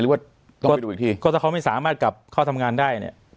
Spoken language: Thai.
หรือว่าต้องไปดูอีกทีก็ถ้าเขาไม่สามารถกลับเข้าทำงานได้เนี่ย